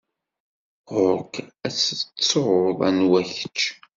Ɣur-k ad tettuḍ anwa kečč!